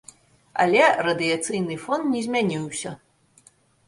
Але радыяцыйны фон не змяніўся.